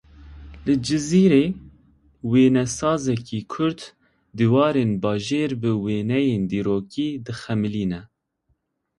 Li Cizîrê wênesazekî Kurd dîwarên bajêr bi wêneyên dîrokî dixemilîne.